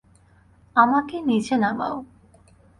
আমাকে নিচে নামাও।